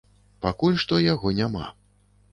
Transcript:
Пакуль што яго няма.